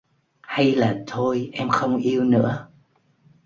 Hay là thôi Em không yêu nữa